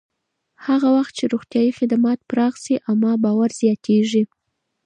هغه وخت چې روغتیایي خدمات پراخ شي، عامه باور زیاتېږي.